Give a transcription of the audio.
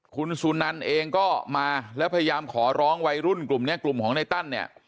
คุณสุนันเองก็มาแล้วพยายามขอร้องวัยรุ่นกลุ่มนี้กลุ่มของในตั้นเนี่ย